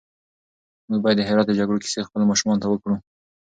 موږ بايد د هرات د جګړو کيسې خپلو ماشومانو ته وکړو.